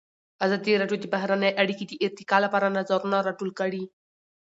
ازادي راډیو د بهرنۍ اړیکې د ارتقا لپاره نظرونه راټول کړي.